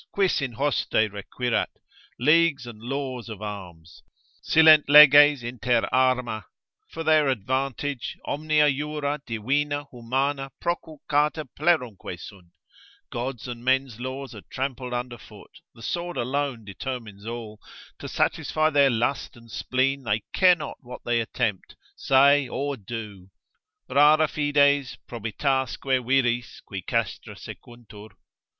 quis in hoste requirat? leagues and laws of arms, (silent leges inter arma,) for their advantage, omnia jura, divina, humana, proculcata plerumque sunt; God's and men's laws are trampled under foot, the sword alone determines all; to satisfy their lust and spleen, they care not what they attempt, say, or do, Rara fides, probitasque viris qui castra sequuntur.